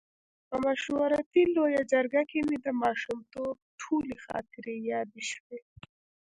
په مشورتي لویه جرګه کې مې د ماشومتوب ټولې خاطرې یادې شوې.